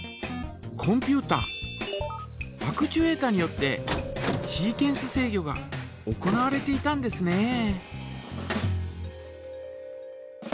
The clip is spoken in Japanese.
コンピュータアクチュエータによってシーケンス制御が行われていたんですね。